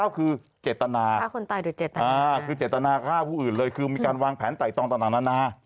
๒๘๙คือเจตนาค่าคนตายโดยเจตนาค่าผู้อื่นเลยคือมีการวางแผนไต่ตองต่าง